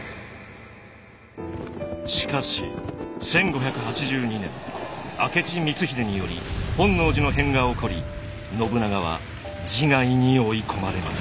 しかし１５８２年明智光秀により本能寺の変が起こり信長は自害に追い込まれます。